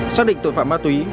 xác định tội phạm ma túy